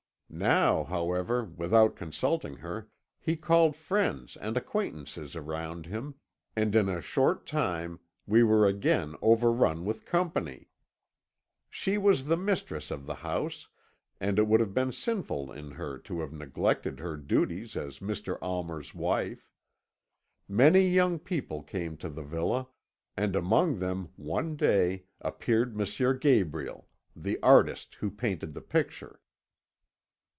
Now, however, without consulting her, he called friends and acquaintances around him, and in a short time we were again overrun with company. She was the mistress of the house, and it would have been sinful in her to have neglected her duties as Mr. Almer's wife. Many young people came to the villa, and among them one day appeared M. Gabriel, the artist who painted the picture."